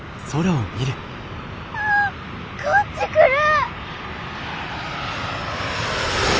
わあこっち来る！